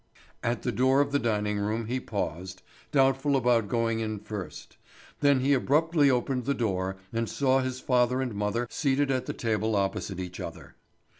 At the door of the dining room he paused, doubtful about going in first; then he abruptly opened the door and saw his father and mother seated at the table opposite each other.